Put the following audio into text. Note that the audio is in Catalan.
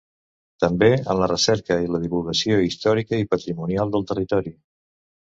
També en la recerca i la divulgació històrica i patrimonial del territori.